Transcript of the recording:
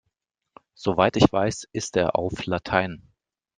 Soweit ich weiß, ist er auf Latein.